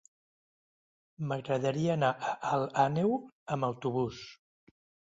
M'agradaria anar a Alt Àneu amb autobús.